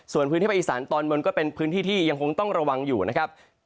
ส่วนพื้นที่ภาคอีสานตอนบนก็เป็นพื้นที่ที่ยังคงต้องระวังอยู่นะครับ